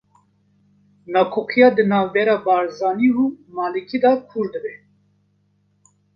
Nakokiya di navbera Barzanî û Malikî de kûr dibe